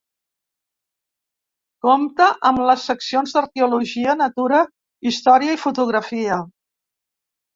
Compta amb les seccions d'Arqueologia, natura, història i fotografia.